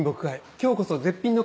今日こそ絶品の釜飯を。